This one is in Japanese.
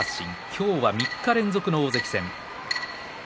今日は３日連続の大関戦です。